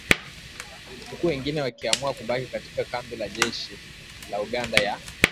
huku wengine wakiamua kubaki katika kambi ya jeshi la Uganda ya